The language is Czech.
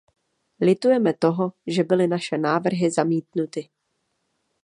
Litujeme toho, že byly naše návrhy zamítnuty.